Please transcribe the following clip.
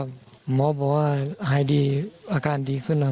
ครับหมอบอกว่าหายดีอาการดีขึ้นครับ